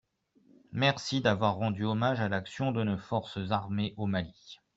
Merci d’avoir rendu hommage à l’action de nos forces armées au Mali.